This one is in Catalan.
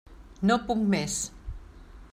No puc més!